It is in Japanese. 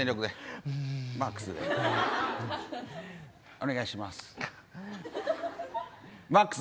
お願いします。